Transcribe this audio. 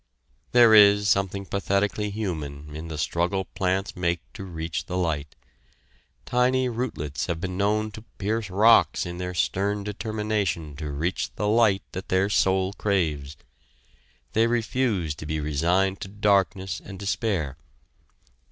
There is something pathetically human in the struggle plants make to reach the light; tiny rootlets have been known to pierce rocks in their stern determination to reach the light that their soul craves. They refuse to be resigned to darkness and despair!